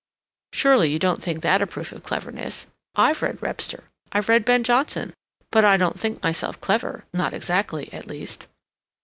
"Surely you don't think that a proof of cleverness? I've read Webster, I've read Ben Jonson, but I don't think myself clever—not exactly, at least."